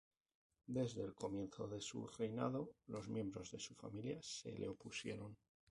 Desde el comienzo de su reinado, los miembros de su familia se le opusieron.